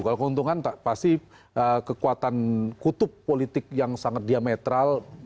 kalau keuntungan pasti kekuatan kutub politik yang sangat diametral